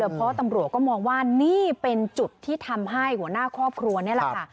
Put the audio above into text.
เพราะตำรวจก็มองว่านี่เป็นจุดที่ทำให้หัวหน้าครอบครัวนี่แหละค่ะ